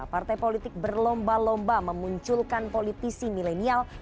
partai politik berlomba lomba memunculkan politisi milenial